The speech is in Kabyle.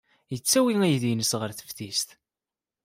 Yettawi aydi-nnes ɣer teftist.